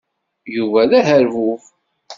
Yuba d aherbub.